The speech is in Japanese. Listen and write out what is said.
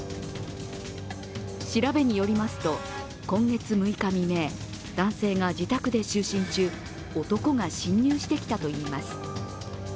調べによりますと、今月６日未明、男性が自宅で就寝中、男が侵入してきたといいます。